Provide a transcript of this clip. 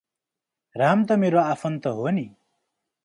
राम त मेरो आफन्त हो नि ।